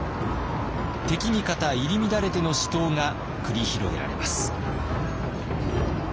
敵味方入り乱れての死闘が繰り広げられます。